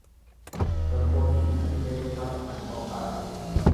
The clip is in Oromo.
Dorgommiin atleetootaaf kan qophaa’e.